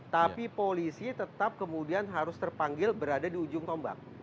tapi polisi tetap kemudian harus terpanggil berada di ujung tombak